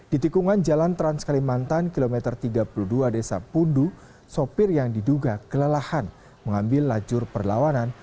di tikungan jalan trans kalimantan kilometer tiga puluh dua desa pundu sopir yang diduga kelelahan mengambil lajur perlawanan